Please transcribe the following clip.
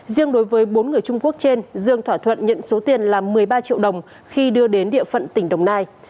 riêng đối với bốn người trung quốc trên dương thỏa thuận nhận số tiền là một mươi ba triệu đồng khi đưa đến địa phận tỉnh đồng nai